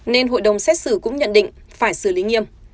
nên hội đồng xét xử cũng nhận định phải xử lý nghiêm